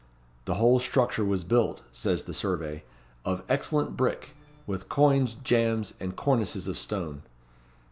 The whole structure was built, says the survey, "of excellent brick, with coigns, jambs, and cornices of stone."